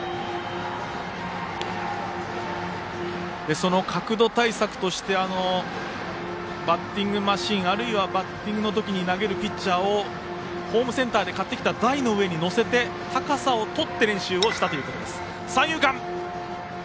その角度対策としてバッティングマシーンあるいはバッティング練習のとき投げるピッチャーをホームセンターで買ってきた台の上に乗せて高さをとって練習をしたということです。